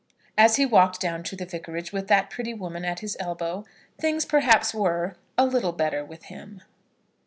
As he walked down to the Vicarage with that pretty woman at his elbow, things perhaps were a little better with him.